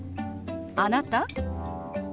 「あなた？」。